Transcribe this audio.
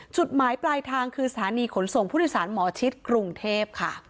จุดหมายปลายทางคือสถานีขนส่งผู้โดยสารหมอชิดกรุงเทพค่ะ